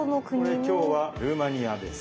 これ今日はルーマニアです。